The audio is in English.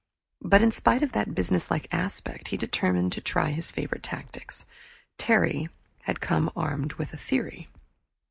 But in spite of that businesslike aspect, he determined to try his favorite tactics. Terry had come armed with a theory.